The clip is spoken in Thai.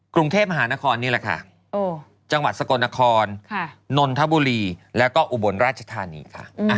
กรุงเทพมหานครนี่แหละค่ะจังหวัดสกลนครนนทบุรีแล้วก็อุบลราชธานีค่ะ